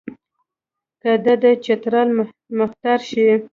که دی د چترال مهتر شي.